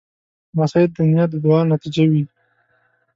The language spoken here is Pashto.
لمسی د نیا د دعا نتیجه وي.